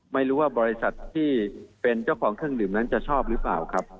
บริษัทที่เป็นเจ้าของเครื่องดื่มนั้นจะชอบหรือเปล่าครับ